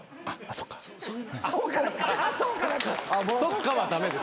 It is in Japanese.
「そっか」は駄目です。